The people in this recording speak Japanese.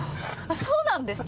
そうなんですよ